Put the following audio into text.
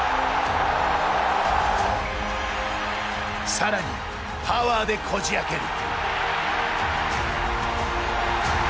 さらに、パワーでこじ開ける。